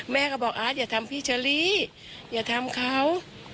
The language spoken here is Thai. แม่ก็บอกอาร์ตอย่าทำพี่เฉลี่อย่าทำเขา